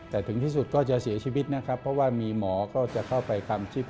แต่ถึงที่สุดก็จะเสียชีวิตนะครับเพราะว่ามีหมอก็จะเข้าไปทำคลิป